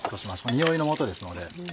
臭いのもとですので。